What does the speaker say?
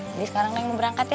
jadi sekarang nek mau berangkat ya